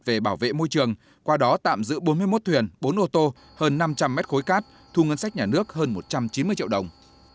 về bảo vệ môi trường qua đó tạm giữ bốn mươi một thuyền bốn ô tô hơn năm trăm linh mét khối cát thu ngân sách nhà nước hơn một trăm chín mươi triệu đồng